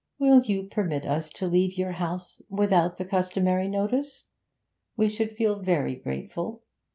Will you permit us to leave your house without the customary notice? We should feel very grateful.